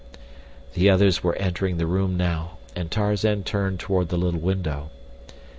The others were entering the room now and Tarzan turned toward the little window.